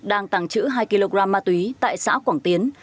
đang tàng trữ hai kg ma túy tại xã quảng tiến